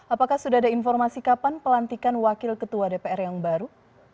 apakah sudah ada informasi kapan pelantikan wakil ketua dpr yang baru